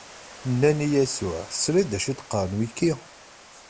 Nnan i Yasuɛ: Tesliḍ d acu i d-qqaren wigi?